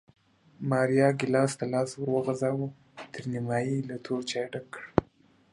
ماریا ګېلاس ته لاس ور وغځاوه، تر نیمایي یې له تور چای ډک کړ